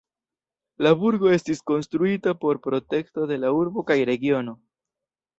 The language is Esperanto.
La burgo estis konstruita por protekto de la urbo kaj regiono.